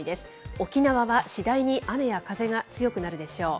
沖縄は次第に雨や風が強くなるでしょう。